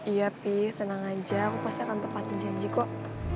iya pi tenang aja aku pasti akan tepat di janji kok